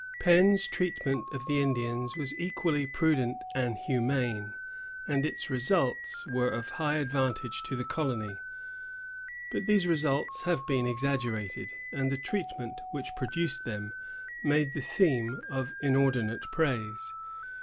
Penn's treatment of the Indians was equally prudent and humane, and its results were of high advantage to the colony; but these results have been exaggerated, and the treatment which produced them made the theme of inordinate praise.